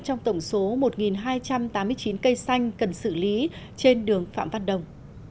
trong tổng số một hai trăm tám mươi chín cây xanh cần xử lý trên đường phạm văn đồng